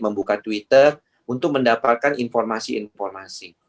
membuka twitter untuk mendapatkan informasi informasi